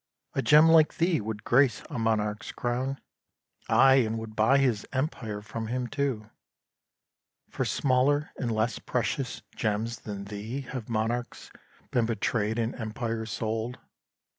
A gem like thee would grace a monarch's crown; Aye! and would buy his empire from him too. For smaller and less precious gems than thee Have monarchs been betrayed and empires sold.